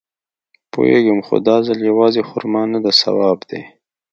پوېېږم خو دا ځل يوازې خرما نده ثواب دی.